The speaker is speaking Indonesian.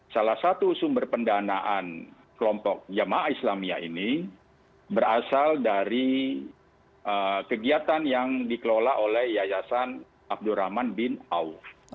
salah satu sumber pendanaan kelompok jamaah islamiyah ini berasal dari kegiatan yang dikelola oleh yayasan abdurrahman bin au